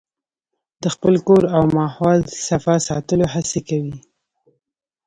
د خپل کور او ماحول صفا ساتلو هڅې کوي.